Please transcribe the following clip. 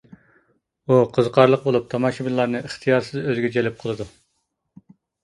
ئۇ قىزىقارلىق بولۇپ، تاماشىبىنلارنى ئىختىيارسىز ئۆزىگە جەلپ قىلىدۇ.